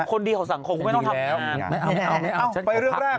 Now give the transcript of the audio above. คนดีของสังคมคุณไม่ต้องทำงาน